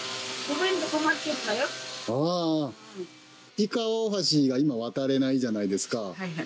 井川大橋が今渡れないじゃないですか。